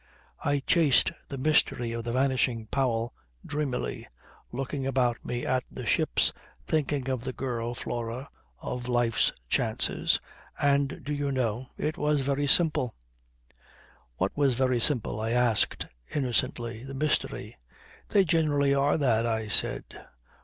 I chased the mystery of the vanishing Powell dreamily, looking about me at the ships, thinking of the girl Flora, of life's chances and, do you know, it was very simple." "What was very simple?" I asked innocently. "The mystery." "They generally are that," I said.